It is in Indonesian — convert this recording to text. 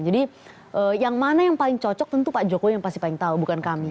yang mana yang paling cocok tentu pak jokowi yang pasti paling tahu bukan kami